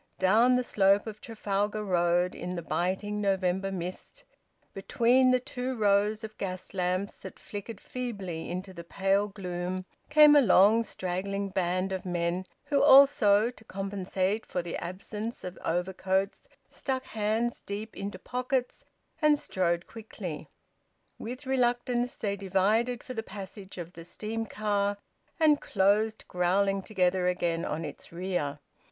Down the slope of Trafalgar Road, in the biting November mist, between the two rows of gas lamps that flickered feebly into the pale gloom, came a long straggling band of men who also, to compensate for the absence of overcoats, stuck hands deep into pockets, and strode quickly. With reluctance they divided for the passage of the steam car, and closed growling together again on its rear.